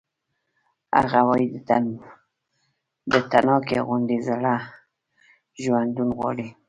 هغه وایی د تڼاکې غوندې زړه ژوندون غواړي